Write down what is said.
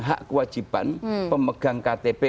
hak kewajiban pemegang ktp